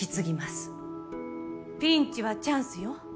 ピンチはチャンスよ。